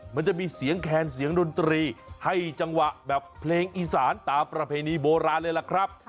มันจะมีเสียงแคนเสียงดนตรีให้จังหวะแบบเพลงอีสานตามประเพณีโบราณเลยล่ะครับ